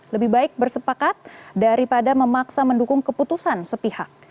lebih baik bersepakat daripada memaksa mendukung keputusan sepihak